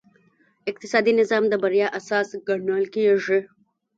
اقتصادي نظم د بریا اساس ګڼل کېږي.